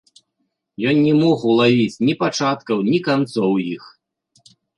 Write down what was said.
Ён не мог улавіць ні пачаткаў, ні канцоў іх.